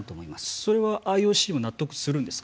それはＩＯＣも納得するんですか。